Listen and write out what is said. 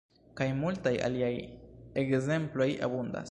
Kaj multaj aliaj ekzemploj abundas.